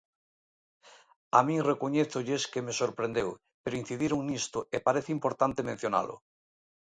A min recoñézolles que me sorprendeu, pero incidiron nisto e parece importante mencionalo.